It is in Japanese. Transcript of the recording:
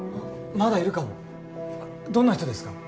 まだいるかもどんな人ですか？